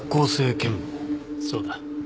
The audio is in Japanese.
そうだ。